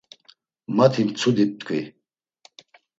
Mati mtsudi ptkvi.